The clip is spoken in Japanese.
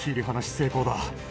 成功だ